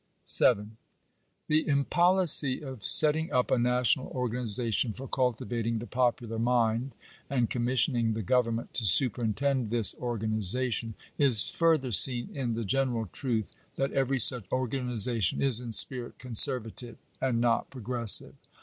§7. The impolicy of setting up a national organization for cul tivating the popular mind, and commissioning the government to superintend this organization, is further seen in the general truth that every such organization is in spirit conservative, and not progressive.